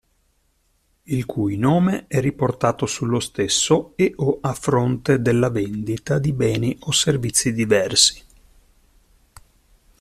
Il cui nome è riportato sullo stesso e/o a fronte della vendita di beni o servizi diversi.